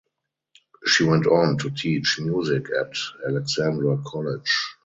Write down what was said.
She went on to teach music at Alexandra College.